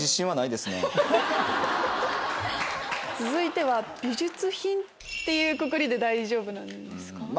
続いては「美術品？」っていうくくりで大丈夫なんですか？